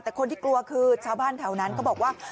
แต่คนที่กลัวคือชาวบ้านแถวนั้นเขาบอกว่า